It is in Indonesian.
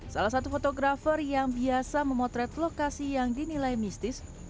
salah satu fotografer yang biasa memotret lokasi yang dinilai mistis